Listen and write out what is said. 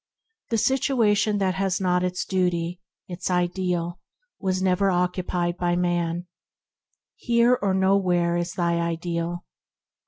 "The situation that has not its Duty, its Ideal, was never yet occupied by man. ... Here or nowhere is thy Ideal.